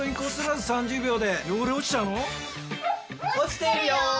落ちてるよ！